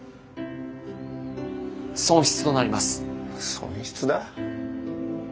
損失だ？